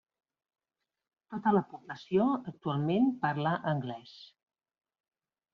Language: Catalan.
Tota la població actualment parla anglès.